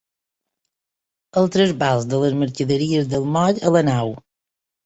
El trasbals de les mercaderies del moll a la nau.